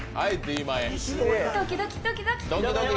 ドキドキ、ドキドキ。